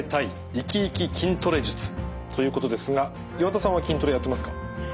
イキイキ筋トレ術」。ということですが岩田さんは筋トレやってますか？